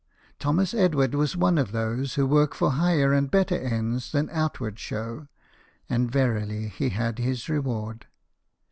Thomas Edward was one of thos e who work for higher and better ends than outward show, and verily he had his reward.